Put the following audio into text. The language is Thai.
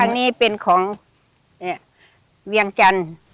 อันนี้เป็นของเวียงจันทร์